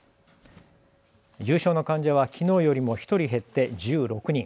重症の患者はきのうよりも１人減って１６人。